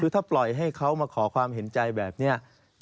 คือถ้าปล่อยให้เขามาขอความเห็นใจแบบนี้